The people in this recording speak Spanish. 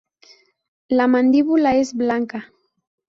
La mandíbula es blanca.